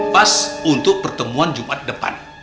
pas untuk pertemuan jumat depan